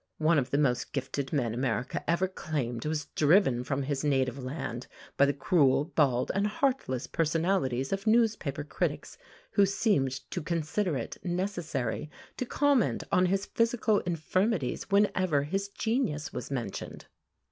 One of the most gifted men America ever claimed was driven from his native land by the cruel, bald, and heartless personalities of newspaper critics, who seemed to consider it necessary to comment on his physical infirmities whenever his genius was mentioned.